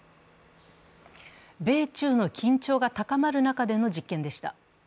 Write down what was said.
米中の緊張が高まる中での実験でした。